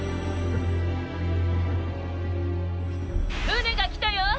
船が来たよ。